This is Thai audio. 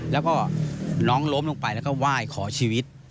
แล้วก็น้องล้มลงไปแล้วก็ไหว้ขอชีวิต